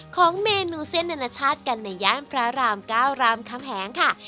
ของเมนูเส้นอนาชาติกันในย่านพระราม๙รามคำแหงค่ะ